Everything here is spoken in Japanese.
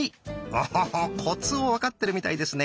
オホホコツを分かってるみたいですね。